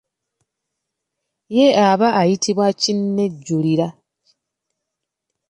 Ye aba ayitibwa kinejjulira.